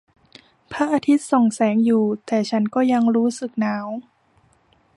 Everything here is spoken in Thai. พระอาทิตย์ส่องแสงอยู่ แต่ฉันก็ยังรู้สึกหนาว